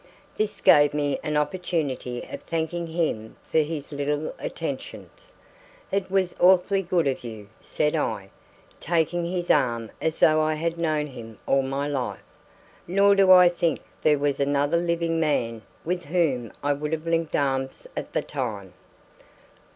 This gave me an opportunity of thanking him for his little attentions. "It was awfully good of you," said I, taking his arm as though I had known him all my life; nor do I think there was another living man with whom I would have linked arms at that time.